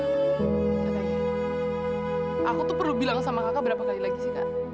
aku tuh perlu bilang sama kakak berapa kali lagi sih kak